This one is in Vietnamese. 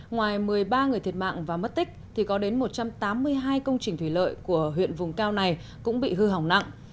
ngoài một mươi ba người thiệt mạng và mất tích thì có đến một trăm tám mươi hai công trình thủy lợi của huyện vùng cao này cũng bị hư hỏng nặng